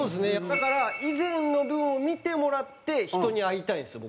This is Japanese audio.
だから以前の分を見てもらって人に会いたいんですよ